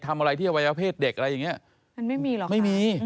มันไม่มีหรอกค่ะ